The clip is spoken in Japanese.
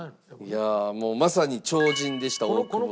いやもうまさに超人でした大久保さん。